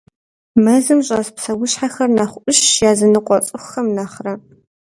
Мэзым щӀэс псэущхьэхэр нэхъ Ӏущщ языныкъуэ цӏыхухэм нэхърэ.